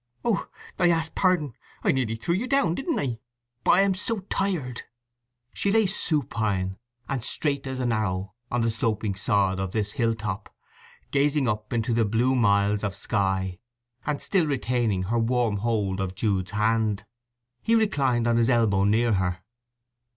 "Oh, I ask pardon—I nearly threw you down, didn't I! But I am so tired!" She lay supine, and straight as an arrow, on the sloping sod of this hill top, gazing up into the blue miles of sky, and still retaining her warm hold of Jude's hand. He reclined on his elbow near her.